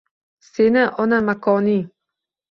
Seni ona makoning…